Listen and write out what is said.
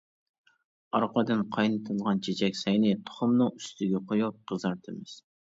ئارقىدىن قاينىتىلغان چېچەك سەينى تۇخۇمنىڭ ئۈستىگە قويۇپ، قىزارتىمىز.